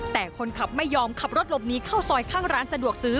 แต่คนขับไม่ยอมขับรถหลบหนีเข้าซอยข้างร้านสะดวกซื้อ